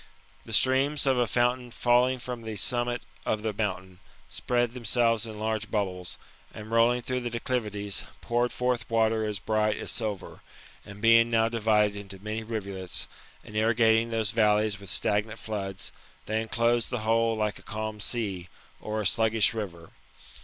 The streams of a fountain falling from the summit of a mountain, spread themselves in large bubbles, and rolling through the declivities, poured forth water as bright as silver ; and being now divided into many rivulets, and irrigating those valleys with stagnant floods, they enclosed the whole like a calm sea, or a sluggish river.